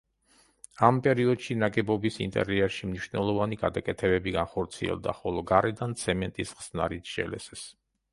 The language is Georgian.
ამ პერიოდში ნაგებობის ინტერიერში მნიშვნელოვანი გადაკეთებები განხორციელდა, ხოლო გარედან ცემენტის ხსნარით შელესეს.